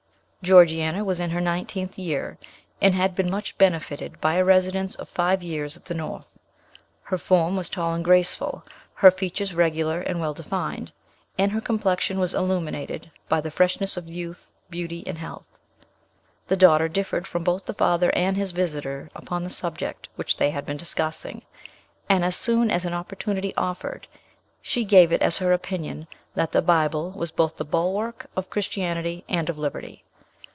Georgiana was in her nineteenth year, and had been much benefited by a residence of five years at the North. Her form was tall and graceful; her features regular and well defined; and her complexion was illuminated by the freshness of youth, beauty, and health. The daughter differed from both the father and his visitor upon the subject which they had been discussing, and as soon as an opportunity offered, she gave it as her opinion, that the Bible was both the bulwark of Christianity and of liberty.